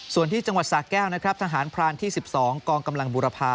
ส่วนที่จังหวัดสาแก้วนะครับทหารพรานที่๑๒กองกำลังบุรพา